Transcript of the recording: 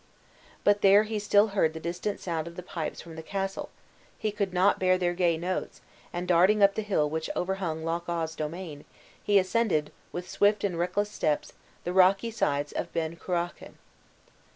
But there he still heard the distant sound of the pipes from the castle; he could not bear their gay notes; and, darting up the hill which overhung Loch awe's domain, he ascended, with swift and reckless steps, the rocky sides of Ben Cruachan.